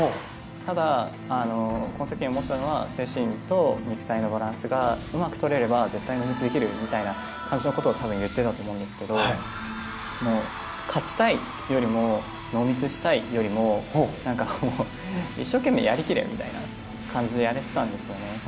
ただこの時、思ったのは精神と肉体のバランスがうまく取れれば絶対にノーミスでいけるということを多分言っていたと思うんですけど勝ちたいよりもノーミスしたいよりも一生懸命やりきるみたいな感じでやれていたんですよね。